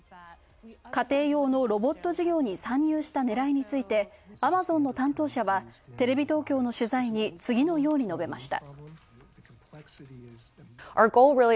家庭用のロボット事業に参入した狙いについて、アマゾンの担当者は、テレビ東京の取材に次のように述べました。